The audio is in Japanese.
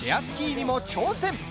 スキーにも挑戦。